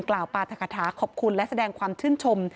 ปราธกฐาขอบคุณและแสดงความชื่นชม